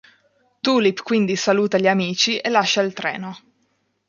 Tulip quindi saluta gli amici e lascia il Treno.